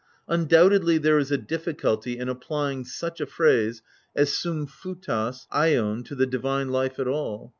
Undoubtedly there is a difficulty in applying such a phrase as <rvfi<l>vTos atcov to the divine life at all.